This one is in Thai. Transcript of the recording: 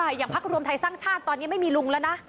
อย่างพักรวมไทยสร้างชาติตอนนี้ไม่มีลุงแล้วนะ